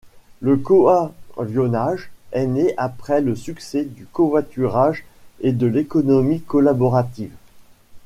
Le coavionnage est né après le succès du covoiturage et de l'économie collaborative.